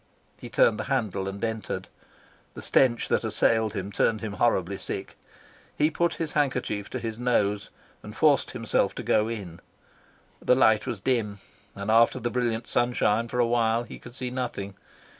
He turned the handle and entered. The stench that assailed him turned him horribly sick. He put his handkerchief to his nose and forced himself to go in. The light was dim, and after the brilliant sunshine for a while he could see nothing.